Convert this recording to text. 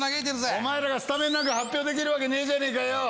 お前らがスタメンなんか発表できるわけねえじゃねぇかよ。